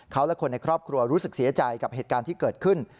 เขาและคนในครอบครัวรู้สึกเสียใจกับเหตุการณ์ที่เกิดขึ้น